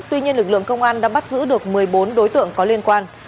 tuy nhiên lực lượng công an đã bắt giữ được một mươi bốn đối tượng có liên quan